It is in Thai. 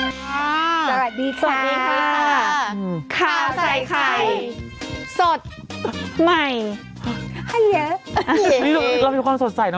อ่าสวัสดีค่ะสวัสดีค่ะข่าวใส่ไข่สดใหม่ให้เยอะเราเป็นคนสดใสเนอะ